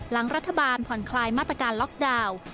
หลังรัฐบาลผ่อนคลายมาตรการล็อกดาวน์